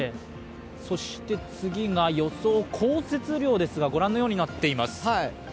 そして予想降雪量ですが、ご覧のようになっています。